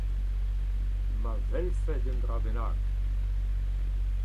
Ma welfed un dra bennak !…